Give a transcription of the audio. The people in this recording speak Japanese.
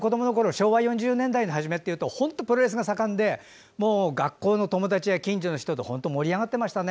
昭和４０年代の初めっていうと本当、プロレスが盛んで学校の友達や近所の人と盛り上がっていましたね。